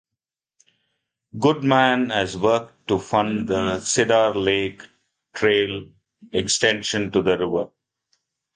Goodman has worked to fund the Cedar Lake Trail extension to the river.